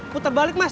puter balik mas